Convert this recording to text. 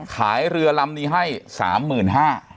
ขายเรือลำนี้ให้๓หมื่น๕